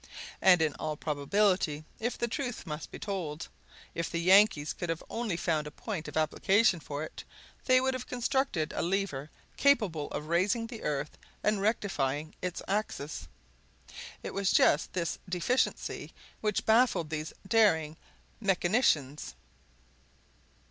And, in all probability, if the truth must be told, if the Yankees could only have found a point of application for it, they would have constructed a lever capable of raising the earth and rectifying its axis. It was just this deficiency which baffled these daring mechanicians.